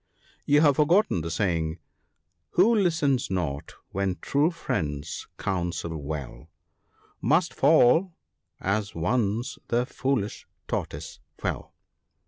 " You have forgotten the saying, —" Who listens not, when true friends counsel well, Must fall, as once the foolish Tortoise fell.